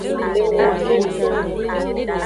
Le nuwo kengkeng me.